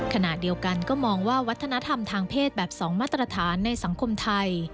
ขณะเดียวกันก็มองว่าวัฒนธรรมทางเพศแบบ๒มาตรฐานในสังคมไทย